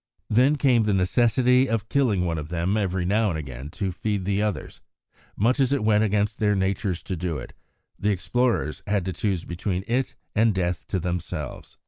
Then came the necessity of killing one of them every now and again to feed the others; much as it went against their natures to do it, the explorers had to choose between it and death to themselves.